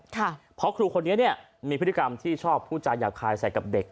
เพราะครูคนนี้เนี่ยมีพฤติกรรมที่ชอบพูดจาหยาบคายใส่กับเด็ก